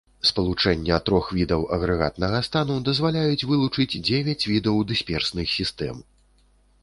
Спалучэння трох відаў агрэгатнага стану дазваляюць вылучыць дзевяць відаў дысперсных сістэм.